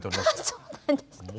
そうなんですか？